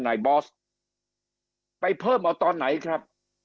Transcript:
บอสไปเพิ่มเอาตอนไหนครับ